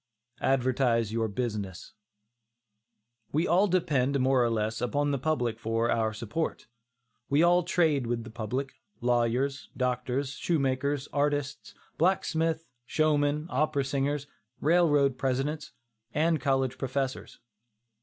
ADVERTISE YOUR BUSINESS. We all depend, more or less, upon the public for our support. We all trade with the public, lawyers, doctors, shoemakers, artists, blacksmiths, showmen, opera singers, railroad presidents, and college professors.